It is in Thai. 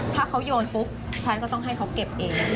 ถ้าเขาโยนปุ๊บฉันก็ต้องให้เขาเก็บเอง